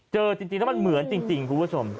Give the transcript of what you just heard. เจอจริงแล้วมันเหมือนจริงคุณผู้ชม